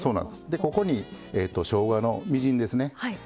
ここにしょうがのみじんですね。